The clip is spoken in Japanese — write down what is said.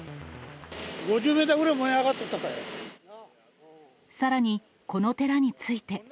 ５０メーターぐらい燃え上がさらにこの寺について。